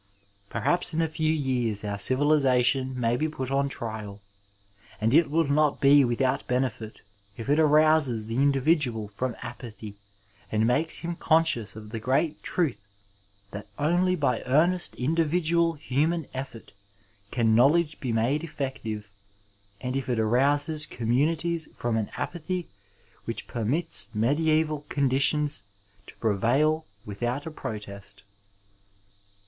Perhaps in a few years our civiJizatimi may be put on trial, and it will not be without benefit if it acouaes the individual from apathy and makes him conscious of the great truth that only by earnest individual human effort can knowledge be made effective, and if it arouses conmiunities from an apathy which permits mediaeval conditions to prevail without a protest.